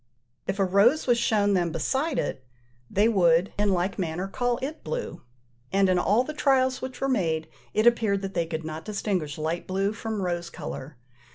If a rose was shown them beside it, they would, in like manner, call it blue; and in all the trials which were made, it appeared that they could not distinguish light blue from rose colour.